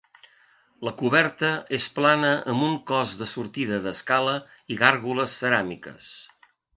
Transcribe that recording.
La coberta és plana amb un cos de sortida d'escala i gàrgoles ceràmiques.